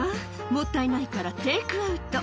もったいないから、テイクアウト。